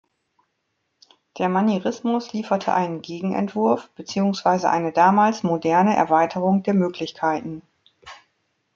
Der Manierismus lieferte einen Gegenentwurf beziehungsweise eine damals moderne Erweiterung der Möglichkeiten.